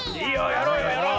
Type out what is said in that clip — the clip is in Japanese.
やろうよやろう。